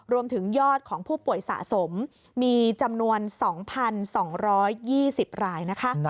รวมถึงยอดของผู้ป่วยสะสมมีจำนวน๒๒๒๐รายนะคะ